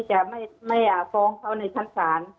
จะไม่ฟ้องเขาในชั้นศาล